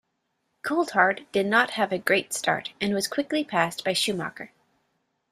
Coulthard did not have a great start and was quickly passed by Schumacher.